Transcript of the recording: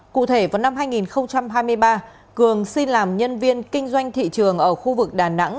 cụ thể vào năm hai nghìn hai mươi ba cường xin làm nhân viên kinh doanh thị trường ở khu vực đà nẵng